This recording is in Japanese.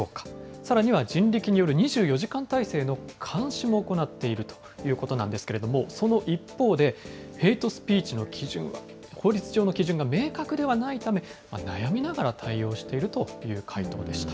さらには人力による２４時間体制の監視も行っているということなんですけれども、その一方で、ヘイトスピーチの基準は、法律上の基準が明確ではないため、悩みながら対応しているという回答でした。